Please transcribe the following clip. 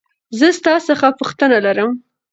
زه ستا څخه پوښتنه لرمه .